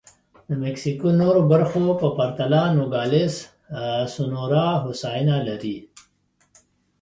د مکسیکو نورو برخو په پرتله نوګالس سونورا هوساینه لري.